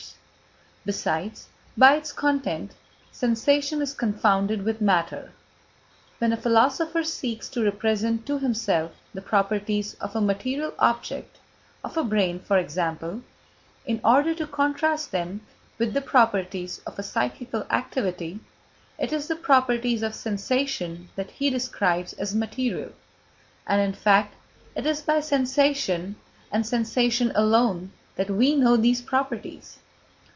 Besides, by its content, sensation is confounded with matter. When a philosopher seeks to represent to himself the properties of a material object, of a brain, for example in order to contrast them with the properties of a psychical activity, it is the properties of sensation that he describes as material; and, in fact, it is by sensation, and sensation alone, that we know these properties.